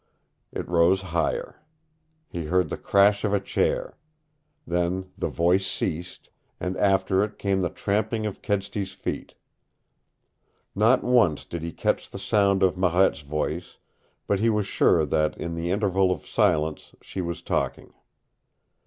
It rose higher. He heard the crash of a chair. Then the voice ceased, and after it came the tramping of Kedsty's feet. Not once did he catch the sound of Marette's voice, but he was sure that in the interval of silence she was talking.